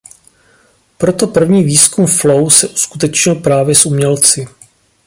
Proto první výzkum flow se uskutečnil právě s umělci.